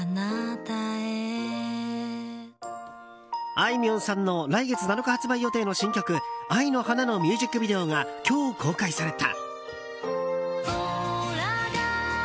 あいみょんさんの来月７日発売予定の新曲「愛の花」のミュージックビデオが今日、公開された。